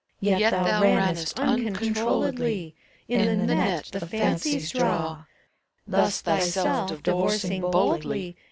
Yet thou rannest nncontrolledly In the net the fancies draw, Thus thyself divorcing boldly ACT III.